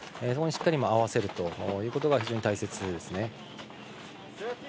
そこにしっかりと合わせるということが非常に大切ですね。